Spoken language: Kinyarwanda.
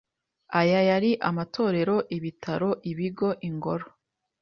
Aya yari Amatorero Ibitaro Ibigo Ingoro